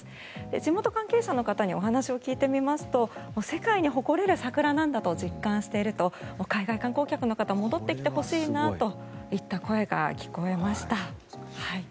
地元関係者の方にお話を聞いてみますと世界に誇れる桜なんだと実感していると海外観光客の方戻ってきてほしいなといった声が聞こえてきました。